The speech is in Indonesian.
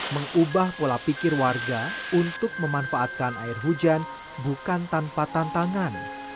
mengubah pola pikir warga untuk memanfaatkan air hujan bukan tanpa tantangan